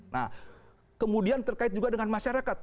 nah kemudian terkait juga dengan masyarakat